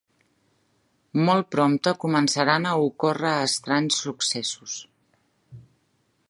Molt prompte començaran a ocórrer estranys successos.